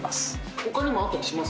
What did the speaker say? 他にもあったりします？